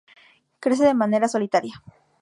Crece de manera solitaria.